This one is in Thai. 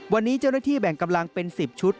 วันนี้เจ้าหน้าที่แบ่งกำลังเป็น๑๐ชุด